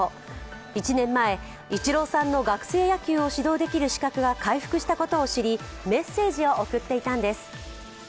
１年前、イチローさんの学生野球を指導できる資格が回復したことを知りメッセージを送っていたんです。